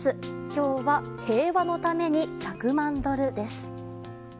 今日は平和のために１００万ドルです。